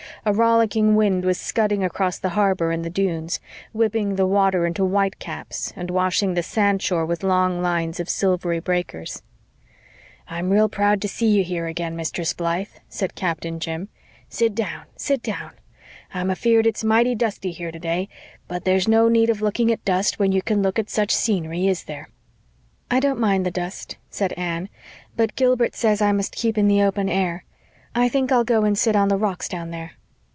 A rollicking wind was scudding across the harbor and the dunes, whipping the water into white caps and washing the sandshore with long lines of silvery breakers. "I'm real proud to see you here again, Mistress Blythe," said Captain Jim. "Sit down sit down. I'm afeared it's mighty dusty here today but there's no need of looking at dust when you can look at such scenery, is there?" "I don't mind the dust," said Anne, "but Gilbert says I must keep in the open air. I think I'll go and sit on the rocks down there."